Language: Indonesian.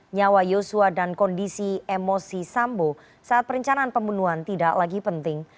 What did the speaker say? nyawa yosua dan kondisi emosi sambo saat perencanaan pembunuhan tidak lagi penting